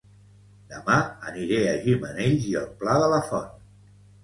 Dema aniré a Gimenells i el Pla de la Font